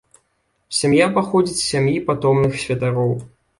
Сям'я паходзіць з сям'і патомных святароў.